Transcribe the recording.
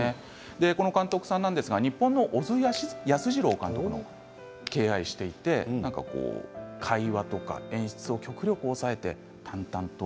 この監督さんなんですが、日本の小津安二郎監督を敬愛していて会話とか演出を極力抑えて淡々と。